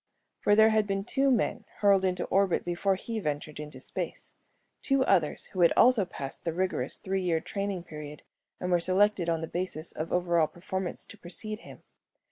For there had been two men hurled into orbit before he ventured into space. Two others who had also passed the rigorous three year training period and were selected on the basis of over all performance to precede him.